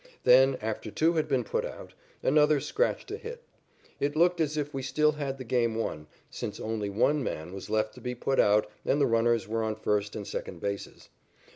Then, after two had been put out, another scratched a hit. It looked as if we still had the game won, since only one man was left to be put out and the runners were on first and second bases.